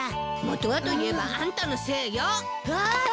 元はと言えばあんたのせいよ。わわ。